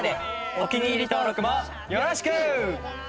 お気に入り登録もよろしく！